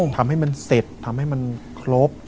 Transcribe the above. ทำให้มันเสร็จทำให้มันครบ